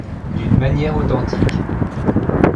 d’une manière authentique. ..